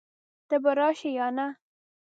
ته به راشې يا نه؟